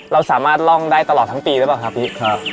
เราสามารถล่องได้ตลอดทั้งปีนะครับพี่